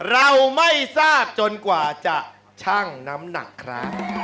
เราไม่ทราบจนกว่าจะชั่งน้ำหนักครับ